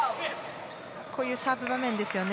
こういうサーブの場面ですよね。